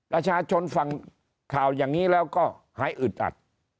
ประชาชนฟังข่าวอย่างนี้แล้วก็หายอึดอัด